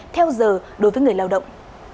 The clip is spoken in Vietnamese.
theo giờ đối với người lao động